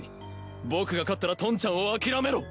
僕が勝ったらトンちゃんを諦めろ！